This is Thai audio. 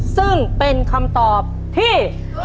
ซึ่งเป็นคำตอบที่